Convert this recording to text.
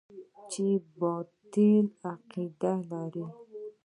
چې باطلې عقيدې لري.